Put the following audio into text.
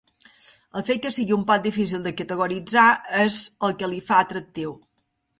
El fet que sigui un poc difícil de categoritzar és el que li fa atractiu.